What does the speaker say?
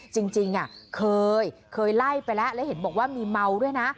จริงเคยไล่ไปแล้วแล้วเห็นบอกว่ามีเมาด้วยนะ